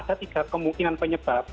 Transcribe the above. ada tiga kemungkinan penyebab